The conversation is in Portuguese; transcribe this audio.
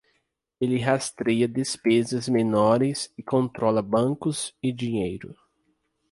Ele rastreia despesas menores e controla bancos e dinheiro.